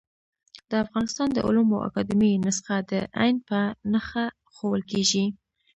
د افغانستان د علومو اکاډيمۍ نسخه د ع په نخښه ښوول کېږي.